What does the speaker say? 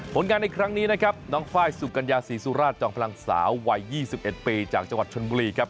ผลงานในครั้งนี้นะครับน้องไฟล์สุกัญญาศรีสุราชจอมพลังสาววัย๒๑ปีจากจังหวัดชนบุรีครับ